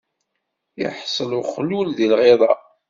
Iḥṣel uxlul di lɣiḍa.